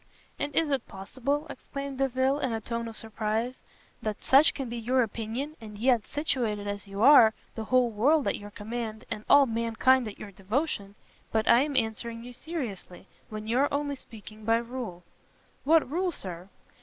"And is it possible," exclaimed Delvile, in a tone of surprise, "that such can be your opinion, and yet, situated as you are, the whole world at your command, and all mankind at your devotion but I am answering you seriously, when you are only speaking by rule." "What rule, Sir?"